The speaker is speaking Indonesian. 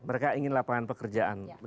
mereka ingin lapangan pekerjaan